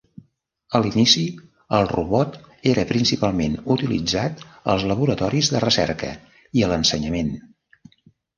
A l'inici, el robot era principalment utilitzat als laboratoris de recerca i a l'ensenyament.